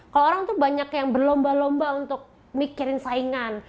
kalau orang tuh banyak yang berlomba lomba untuk mikirin saingan